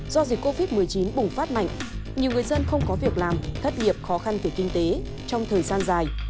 do dịch covid một mươi chín bùng phát mạnh nhiều người dân không có việc làm thất nghiệp khó khăn về kinh tế trong thời gian dài